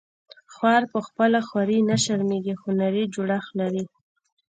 خوار په خپله خواري نه شرمیږي هنري جوړښت لري